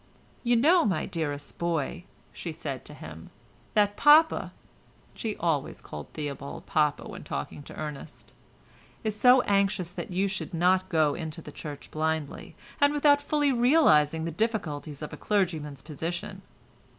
"You know, my dearest boy," she said to him, "that papa" (she always called Theobald "papa" when talking to Ernest) "is so anxious you should not go into the Church blindly, and without fully realising the difficulties of a clergyman's position.